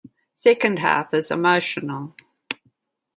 Second half is emotional.